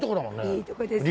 いいとこですよ。